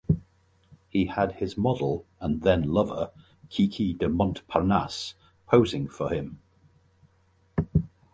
He had his model and then lover Kiki de Montparnasse posing for him.